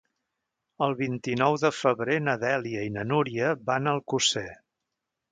El vint-i-nou de febrer na Dèlia i na Núria van a Alcosser.